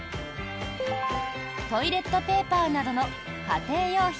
トイレットペーパーなどの家庭用品